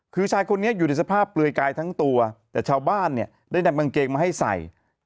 คือชายคนนี้อยู่ในสภาพเปลือยกายทั้งตัวแต่ชาวบ้านเนี่ยได้นำกางเกงมาให้ใส่